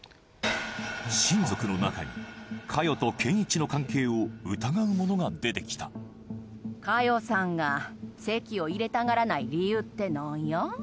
親族の中に華代と健一の関係を疑う者が出てきた華代さんが籍を入れたがらない理由って何や？